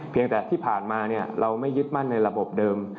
แต่ที่ผ่านมาเราไม่ยึดมั่นในระบบเดิม